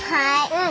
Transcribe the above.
うん。